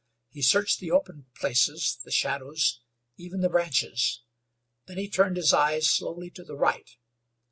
He searched the open places, the shadows even the branches. Then he turned his eyes slowly to the right.